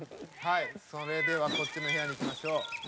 それでは、こっちの部屋に行きましょう。